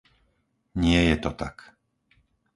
Nie je to tak.